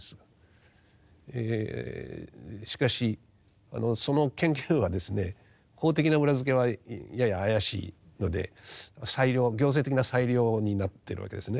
しかしその権限はですね法的な裏づけはやや怪しいので裁量行政的な裁量になってるわけですね。